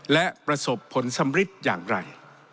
และประสบผลสำริดอย่างไร